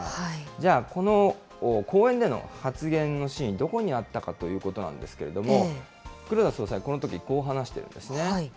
じゃあ、この講演での発言の真意、どこにあったかということなんですけれども、黒田総裁、このとき、こう話していますね。